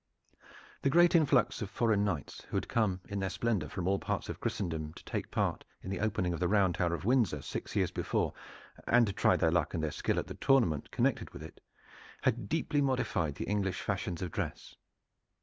The great influx of foreign knights who had come in their splendor from all parts of Christendom to take part in the opening of the Round Tower of Windsor six years before, and to try their luck and their skill at the tournament connected with it, had deeply modified the English fashions of dress.